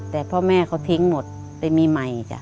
แต่พ่อแม่เขาทิ้งหมดไปมีใหม่จ้ะ